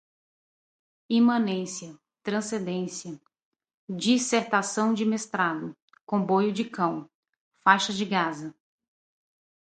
imanência, transcendência, dissertação de mestrado, comboio do cão, faixa de gaza